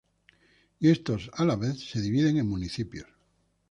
Y estos a la vez se dividen en Municipios.